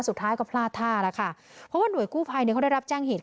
สุดท้ายก็พลาดท่าแล้วค่ะเพราะว่าหน่วยกู้ภัยเนี่ยเขาได้รับแจ้งเหตุ